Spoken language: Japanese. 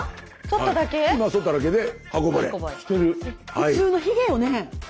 普通のひげよね？